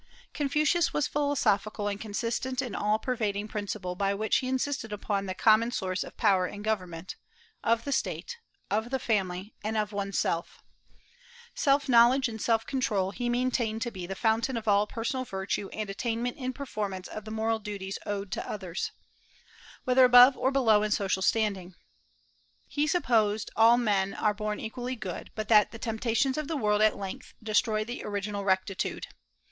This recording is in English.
Confucius was philosophical and consistent in the all pervading principle by which he insisted upon the common source of power in government, of the State, of the family, and of one's self. Self knowledge and self control he maintained to be the fountain of all personal virtue and attainment in performance of the moral duties owed to others, whether above or below in social standing. He supposed that all men are born equally good, but that the temptations of the world at length destroy the original rectitude.